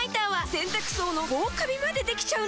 洗たく槽の防カビまでできちゃうの！